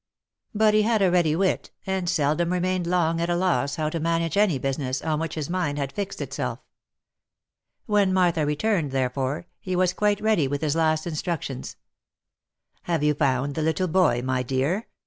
But he had a ready wit, and seldom remained long at a loss how to manage any business on which his mind had fixed itself. When Martha returned, therefore, he was quite ready with his last in structions. " Have you found the little boy, my dear ?"